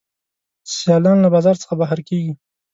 سیالان له بازار څخه بهر کیږي.